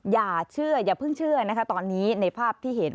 อย่าเชื่ออย่าเพิ่งเชื่อนะคะตอนนี้ในภาพที่เห็น